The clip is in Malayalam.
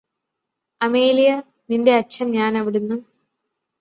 അമേലിയ നിന്റെ അച്ഛന് ഞാനവിടുന്ന്